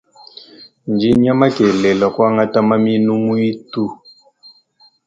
Ndinya makelela kwangata mamienu mutu.